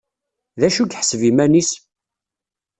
D acu i yeḥseb iman-is?